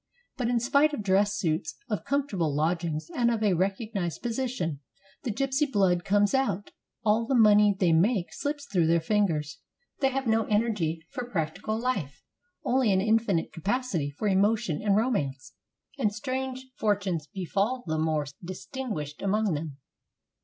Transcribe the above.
But, in spite of dress suits, of comfortable lodg ings, and of a recognized position, the gypsy blood comes out. All the money they make slips through their fm gers; they have no energy for practical life, only an in finite capacity for emotion and romance. And strange fortunes befall the more distinguished among them.